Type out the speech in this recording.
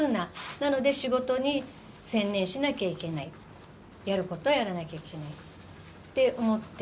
なので、仕事に専念しなきゃいけない、やることやらなきゃいけないって思って。